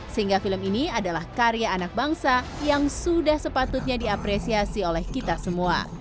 sehingga film ini adalah karya anak bangsa yang sudah sepatutnya diapresiasi oleh kita semua